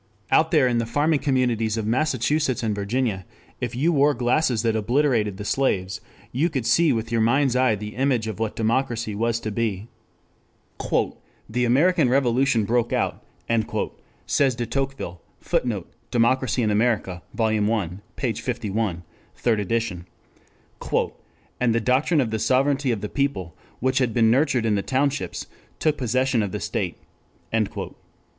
Out there in the farming communities of Massachusetts and Virginia, if you wore glasses that obliterated the slaves, you could see with your mind's eye the image of what democracy was to be. "The American Revolution broke out," says de Tocqueville, [Footnote: Democracy in America, Vol. I, p. 51. Third Edition] "and the doctrine of the sovereignty of the people, which had been nurtured in the townships, took possession of the state."